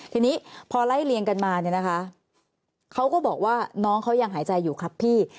ทีนี้พอไล่เลียงกันมาเนี่ยนะคะเขาก็บอกว่าน้องเขายังหายใจอยู่ครับพี่